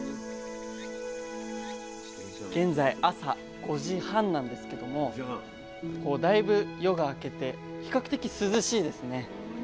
現在朝５時半なんですけどもだいぶ夜が明けて比較的涼しいですね。